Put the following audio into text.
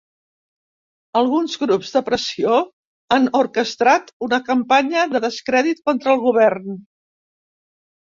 Alguns grups de pressió han orquestrat una campanya de descrèdit contra el govern.